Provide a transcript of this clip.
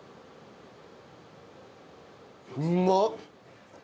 うまっ！